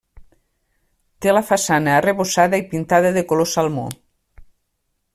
Té la façana arrebossada i pintada de color salmó.